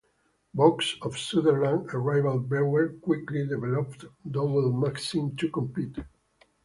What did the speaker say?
Vaux of Sunderland, a rival brewer, quickly developed Double Maxim to compete.